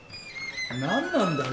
何なんだ！？